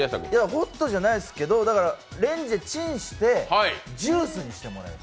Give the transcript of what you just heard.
ホットじゃないですけど、レンジでチンしてジュースにしてもらう。